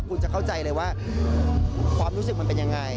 คุณจะเข้าใจเลยว่าความรู้สึกมันเป็นยังไง